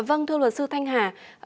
vâng thưa luật sư thanh hà